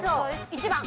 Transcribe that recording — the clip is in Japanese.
１番。